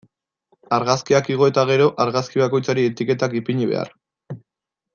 Argazkiak igo eta gero, argazki bakoitzari etiketak ipini behar.